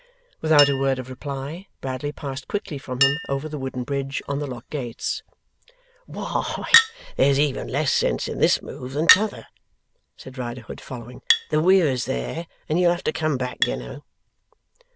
Without a word of reply, Bradley passed quickly from him over the wooden bridge on the lock gates. 'Why, there's even less sense in this move than t'other,' said Riderhood, following. 'The Weir's there, and you'll have to come back, you know.